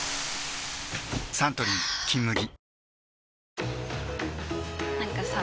サントリー「金麦」